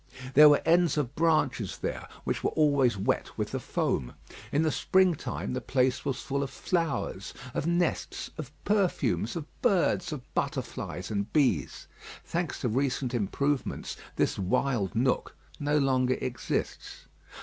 There were ends of branches there which were always wet with the foam. In the spring time, the place was full of flowers, of nests, of perfumes, of birds, of butterflies, and bees. Thanks to recent improvements, this wild nook no longer exists.